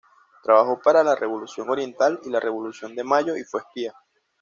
Trabajó para la Revolución oriental y la Revolución de Mayo y fue espía.